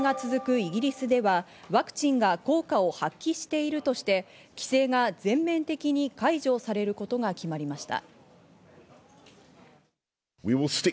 イギリスではワクチンが効果を発揮しているとして規制が全面的に解除されることが決まりました。